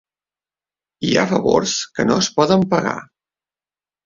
Hi ha favors que no es poden pagar.